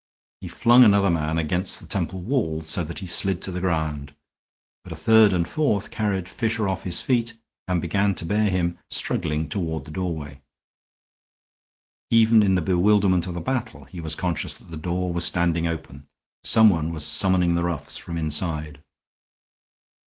He flung another man flat against the temple wall, so that he slid to the ground; but a third and fourth carried Fisher off his feet and began to bear him, struggling, toward the doorway. Even in the bewilderment of the battle he was conscious that the door was standing open. Somebody was summoning the roughs from inside.